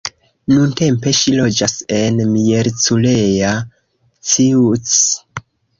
Nuntempe ŝi loĝas en Miercurea Ciuc.